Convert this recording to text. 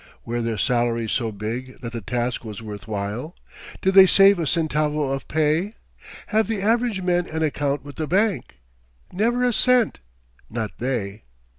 Were their salaries so big that the task was worth while? Did they save a centavo of pay? Have the average men an account with the bank? Never a cent not they.